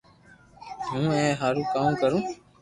ھين اي ھارون ڪاو ڪرو